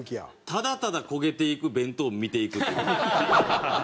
ただただ焦げていく弁当を見ていくっていう。